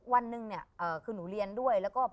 วันหนึ่งเนี่ยคือหนูเรียนด้วยแล้วก็